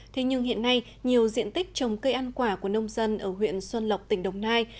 thế nhưng hiện nay nhiều diện tích trồng cây ăn quả của nông dân ở huyện xuân lộc tỉnh đồng nai